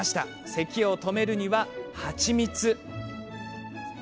せきを止めるには蜂蜜。